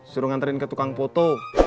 suruh nganterin ke tukang foto